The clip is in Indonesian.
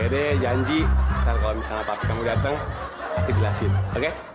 yadeh janji nanti kalau misalnya papi kamu dateng aku jelasin oke